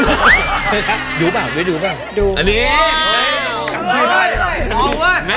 ดูหรอดูหรอดิวดูหรอดูอันนี้